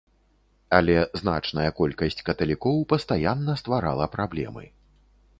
Але значная колькасць каталікоў пастаянна стварала праблемы.